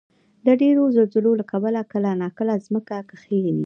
د ډېرو زلزلو له کبله کله ناکله ځمکه کښېني.